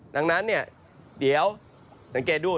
ดังนั้นเนี่ยเดี๋ยวสังเกตดู